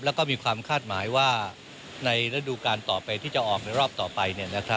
แล้วก็มีความคาดหมายว่าในระดูการต่อไปที่จะออกในรอบต่อไป